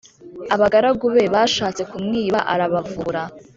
abagaragu be bashatse kumwiba arabavumbura